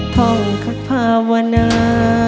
ท่องคัดภาวนา